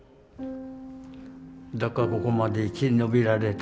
だからここまで生き延びられた。